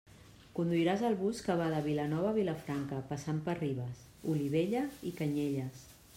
Conduiràs el bus que va de Vilanova a Vilafranca passant per Ribes, Olivella i Canyelles.